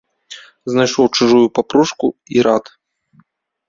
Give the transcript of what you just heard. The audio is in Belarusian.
Знайшоў чужую папружку і рад.